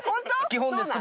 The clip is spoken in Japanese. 基本です。